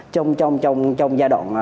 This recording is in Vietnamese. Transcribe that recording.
trong giai đoạn